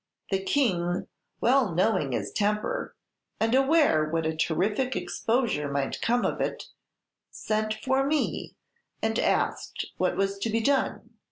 The King, well knowing his temper, and aware what a terrific exposure might come of it, sent for me, and asked what was to be done.